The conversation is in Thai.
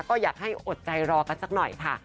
ก็อยากให้อดใจรอกันสักหน่อยค่ะ